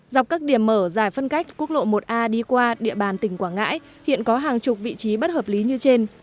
dọc các điểm mở dài phân cách quốc lộ một a đi qua địa bàn tỉnh quảng ngãi hiện có hàng chục vị trí bất hợp lý như trên